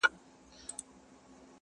خو زړه کي سيوری شته تل,